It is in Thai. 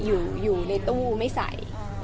อยู่ในตู้ไม่ใส่